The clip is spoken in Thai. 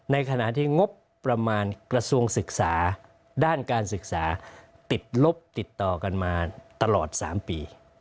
ในขณะที่งบประมาณกระทรวงศึกษาด้านการศึกษาติดลบติดต่อกันมาตลอด๓ปี